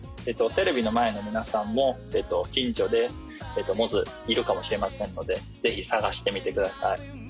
えっとテレビのまえのみなさんもきんじょでモズいるかもしれませんのでぜひさがしてみてください。